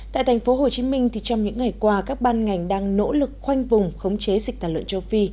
tại thành phố hồ chí minh trong những ngày qua các ban ngành đang nỗ lực khoanh vùng khống chế dịch tàn lợn châu phi